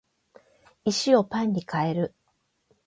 石をパンに変える